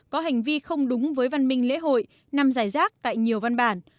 có hành vi không đúng với văn minh lễ hội nằm giải rác tại nhiều văn bản